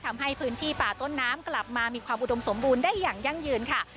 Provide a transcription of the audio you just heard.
ทำให้พื้นที่ป่าต้นน้ำกลับมามีความอุดมสมบูรณ์ได้อย่างยั่งยืนค่ะ